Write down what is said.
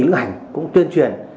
lưu hành cũng tuyên truyền